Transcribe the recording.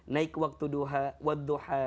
naik waktu siang